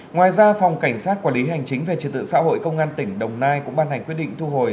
ngoài ra phòng cảnh sát quản lý hành chính về trật tự xã hội công an tỉnh đồng nai cũng ban hành quyết định thu hồi